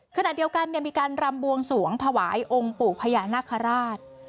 ขณะเดียวกันมีการรำบวงสวงถวายองค์ปู่พญานาคาราช